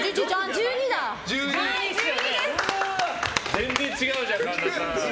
全然違うじゃん、神田さん。